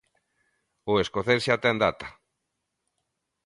O escocés xa ten data.